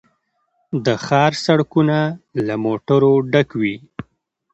د ښار سړکونه له موټرو ډک وي